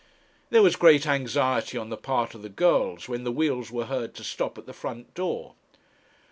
There was great anxiety on the part of the girls when the wheels were heard to stop at the front door.